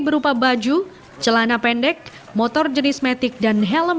berupa baju celana pendek motor jenis metik dan helm